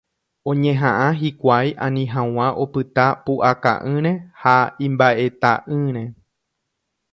Oñeha'ã hikuái ani hag̃ua opyta pu'aka'ỹre ha imba'eta'ỹre.